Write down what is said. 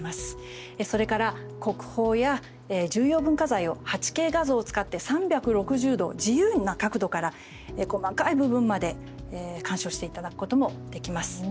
それから、国宝や重要文化財を８Ｋ画像を使って３６０度自由な角度から細かい部分まで鑑賞していただくこともできます。